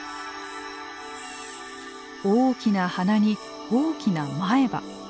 大きな鼻に大きな前歯。